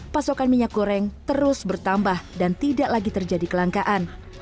pasokan minyak goreng terus bertambah dan tidak lagi terjadi kelangkaan